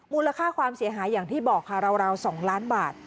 มูลค่าความเสียหายอย่างที่บอกค่ะราว๒ล้านบาท